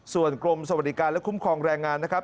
ส่วนกรมสวัสดิการและคุ้มครองแรงงานนะครับ